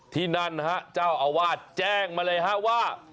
ที่นั่นฮะเจ้าอาวาสแจ้งมาเลยฮะว่า